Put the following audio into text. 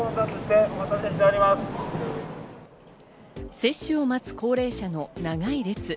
接種を待つ高齢者の長い列。